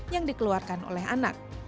yang dikeluarkan oleh anak